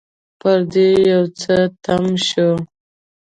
پر دې به يو څه تم شو.